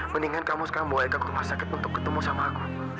mendingan kamu sekarang boleh ke rumah sakit untuk ketemu sama aku